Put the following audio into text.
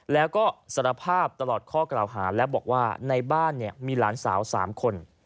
แล้วก็สารภาพตลอดข้อกล่าวหาและบอกว่าในบ้านมีหลานสาว๓คน